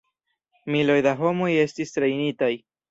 Miloj da homoj estis trejnitaj.